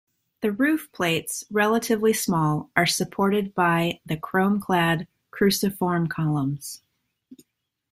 The roof plates, relatively small, are supported by the chrome-clad, cruciform columns.